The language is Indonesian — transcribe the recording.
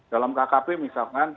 dalam kkp misalkan